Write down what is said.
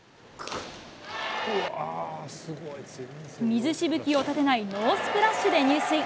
水しぶきを立てないノースプラッシュで入水。